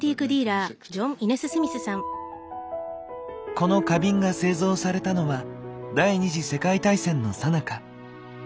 この花瓶が製造されたのは第二次世界大戦のさなか。